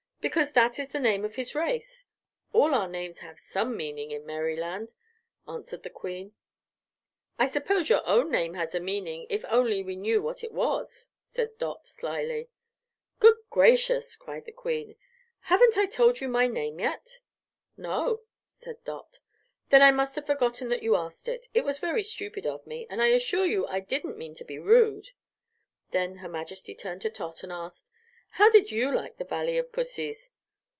"Because that is the name of his race. All our names have some meaning in Merryland," answered the Queen. "I suppose your own name has a meaning, if only we knew what it was," said Dot, slyly. "Good gracious!" cried the Queen; "haven't I told you my name yet?" "No," said Dot. "Then I must have forgotten that you asked it. It was very stupid of me, and I assure you I didn't mean to be rude." Then her Majesty turned to Tot and asked: "How did you like the Valley of Pussys?"